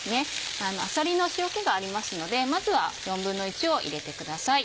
あさりの塩気がありますのでまずは１／４を入れてください。